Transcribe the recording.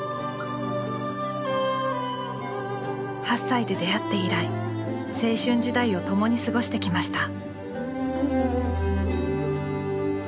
８歳で出会って以来青春時代を共に過ごしてきました。